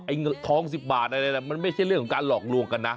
ไอ้ทองสิบบาทมันไม่ใช่เรื่องของการหลอกลวงกันนะ